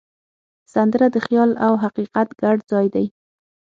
سندره د خیال او حقیقت ګډ ځای دی